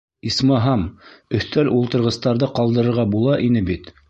Исмаһам, өҫтәл-ултырғыстарҙы ҡалдырырға була ине бит.